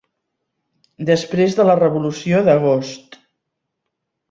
Després de la Revolució d'agost.